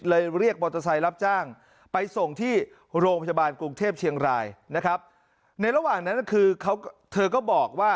ไปเรียกบริษัทรรับจ้างไปส่งที่โรงพยาบาลกรุงเทพเชียงรายนะครับ